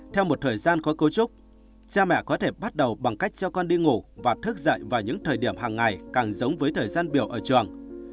theo một thời gian có cấu trúc cha mẹ có thể bắt đầu bằng cách cho con đi ngủ và thức dậy vào những thời điểm hàng ngày càng giống với thời gian biểu ở trường